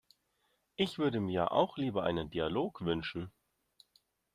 Ich würde mir ja auch lieber einen Dialog wünschen.